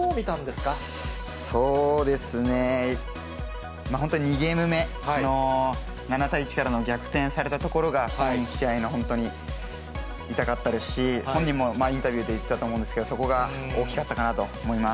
そうですね、本当に２ゲーム目の７対１からの逆転されたところが、この試合の本当に痛かったですし、本人もインタビューで言ってたと思うんですけど、そこが大きかったかなと思います。